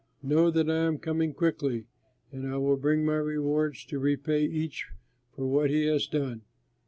Know that I am coming quickly and I will bring my rewards to repay each for what he has done.